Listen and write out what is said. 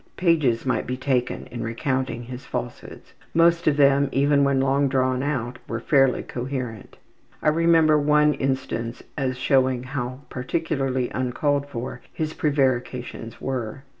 Pages might be taken in recounting his falsehoods. Most of them, even when long drawn out, were fairly coherent. I remember one instance as showing how particularly uncalled for his prevarications were.